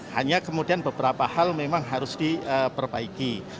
hanya kemudian beberapa hal memang harus diperbaiki